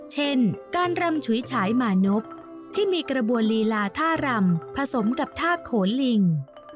เช่นการรำฉุยฉายหมานพที่มีกระบวนลีลาท่ารำผสมกับท่าโขนลิง